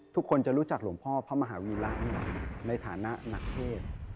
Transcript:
ทุกคนจะรู้จักหลวงพ่อพระมหาวีระในฐานะนักเทศ